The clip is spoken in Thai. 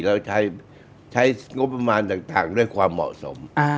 เราใช้งบประมาณต่างด้วยความเหมาะสม